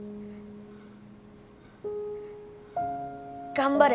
頑張れ。